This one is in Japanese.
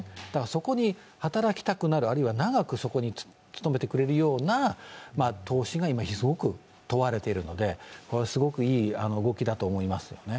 そこに働きたくなる、長くそこに勤めてくれるような姿勢が今問われているので、すごくいい動きだと思いますね。